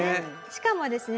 しかもですね